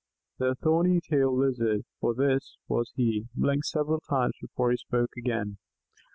The Thorny tailed Lizard for this was he blinked several times before he spoke again.